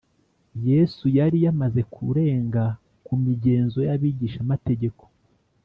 Yesu yari yamaze kurenga ku migenzo y’abigishamategeko